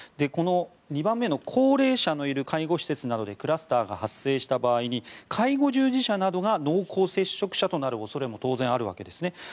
この２番目の高齢者のいる介護施設などでクラスターが発生した場合に介護従事者などが濃厚接触者となる恐れも当然、あるわけですね。